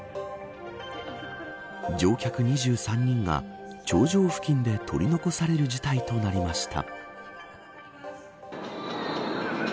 乗客２３人が頂上付近で取り残される事態となりました。